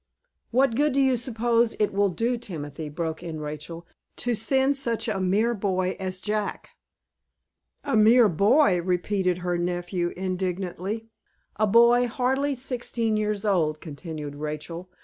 "What good do you suppose it will do, Timothy," broke in Rachel, "to send such a mere boy as Jack?" "A mere boy!" repeated her nephew, indignantly. "A boy hardly sixteen years old," continued Rachel.